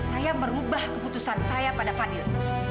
saya merubah keputusan saya pada fadil